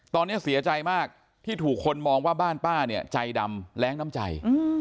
ตอนนี้เสียใจมากที่ถูกคนมองว่าบ้านป้าเนี่ยใจดำแรงน้ำใจ